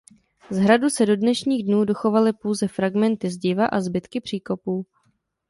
Z hradu se do dnešních dnů dochovaly pouze fragmenty zdiva a zbytky příkopů.